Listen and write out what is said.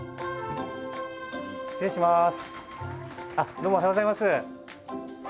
どうもおはようございます。